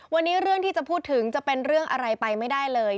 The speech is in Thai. วันนี้เรื่องที่จะพูดถึงจะเป็นเรื่องอะไรไปไม่ได้เลย